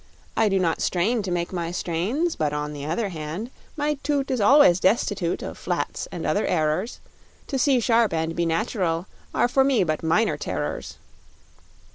I do not strain to make my strains But, on the other hand, My toot is always destitute Of flats or other errors; To see sharp and be natural are For me but minor terrors.